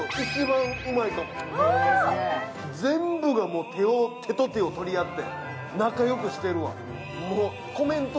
全部が手と手を取り合って仲良くしてるわ。